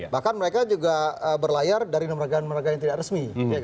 bahkan mereka juga berlayar dari nomor rakyat nomor rakyat yang tidak resmi